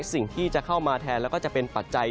สิ่งที่จะเข้ามาแทนแล้วก็จะเป็นปัจจัย